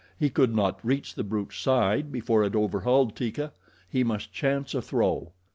He could not reach the brute's side before it overhauled Teeka. He must chance a throw.